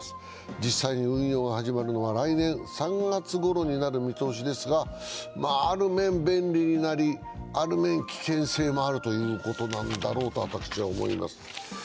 実際に運用が始まるのは来年３月ごろになる見通しですがある面、便利になり、ある面、危険性があるということになんだろうと思います。